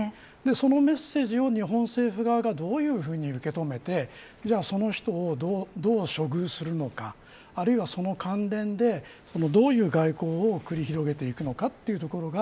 そのメッセージを日本政府側がどう受け止めてその人をどう処遇するのかあるいはその関連でどういう外交を繰り広げていくのか。